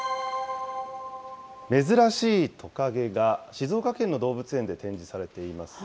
珍しいトカゲが静岡県の動物園で展示されています。